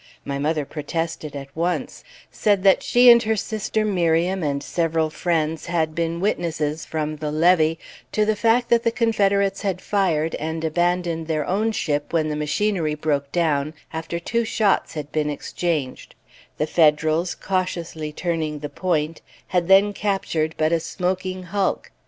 My mother protested, at once; said that she and her sister Miriam, and several friends, had been witnesses, from the levee, to the fact that the Confederates had fired and abandoned their own ship when the machinery broke down, after two shots had been exchanged: the Federals, cautiously turning the point, had then captured but a smoking hulk.